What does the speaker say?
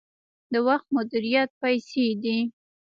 د وخت مدیریت پیسې دي